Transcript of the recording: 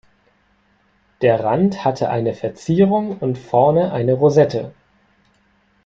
Der Rand hatte eine Verzierung und vorne eine Rosette.